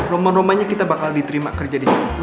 roma romanya kita bakal diterima kerja di situ